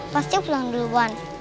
pasti aku pulang duluan